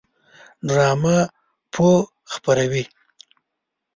ډرامه پوهه خپروي